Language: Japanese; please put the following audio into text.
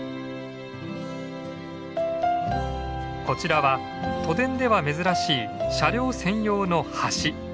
こちらは都電では珍しい車両専用の橋。